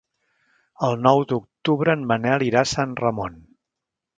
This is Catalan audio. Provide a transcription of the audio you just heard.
El nou d'octubre en Manel irà a Sant Ramon.